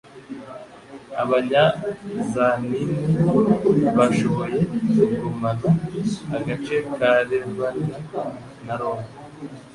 Abanya zantine bashoboye kugumana agace ka Ravenna na Roma,